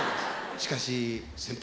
しかし先輩